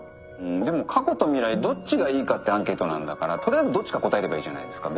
でも過去と未来どっちがいいかってアンケートなんだから取りあえずどっちか答えればいいじゃないですか。